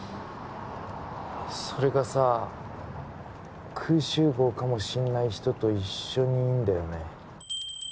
それがさクウシュウゴウかもしんない人と一緒にいんだよね